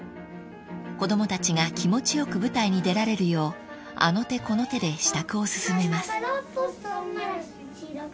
［子供たちが気持ち良く舞台に出られるようあの手この手で支度を進めます］